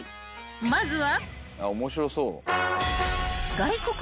［まずは］